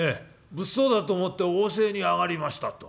物騒だと思ってお教えに上がりました』と